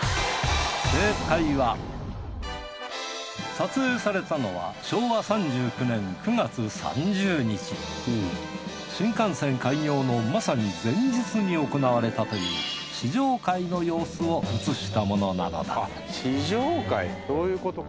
撮影されたのは新幹線開業のまさに前日に行われたという試乗会の様子を映したものなのだ試乗会そういうことか。